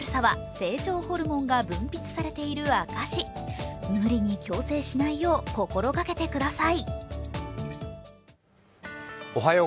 寝相の悪さは成長ホルモンが分泌している証、無理に矯正しないよう心がけてください。